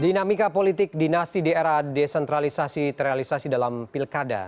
dinamika politik dinasti di era desentralisasi terrealisasi dalam pilkada